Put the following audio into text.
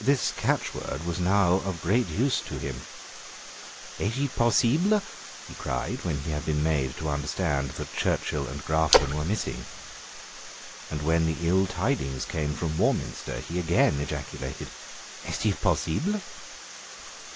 This catchword was now of great use to him. "Est il possible?" he cried, when he had been made to understand that Churchill and Grafton were missing. And when the ill tidings came from Warminster, he again ejaculated, "Est il possible?"